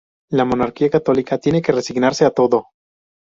La monarquía católica tiene que resignarse a todo.